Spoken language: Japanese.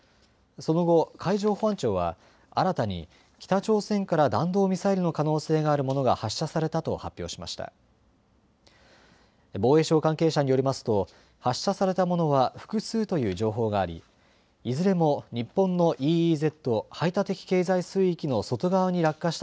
その後、海上保安庁は新たに北朝鮮から弾道ミサイルの可能性があるものが発射されたと発表しました。